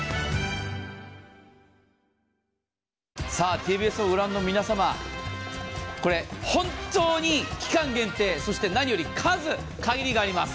ＴＢＳを御覧の皆様、本当に期間限定、そして何より数限りがあります。